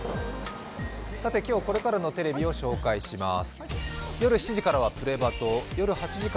今日これからのテレビを紹介します。